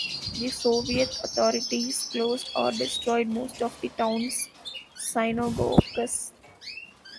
The Soviet authorities closed or destroyed most of the town's synagogues.